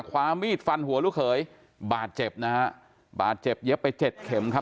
ความมีดฟันหัวลูกเขยบาดเจ็บนะฮะบาดเจ็บเย็บไปเจ็ดเข็มครับ